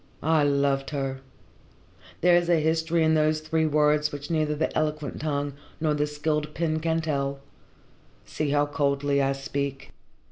"I loved her. There is a history in those three words which neither the eloquent tongue nor the skilled pen can tell. See how coldly I speak.